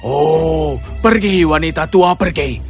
oh pergi wanita tua pergi